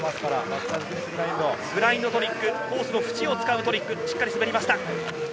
フライングトリックコースのふちを使うトリックしっかり滑りました。